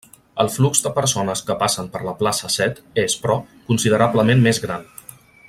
El flux de persones que passen per la Plaça Set és, però, considerablement més gran.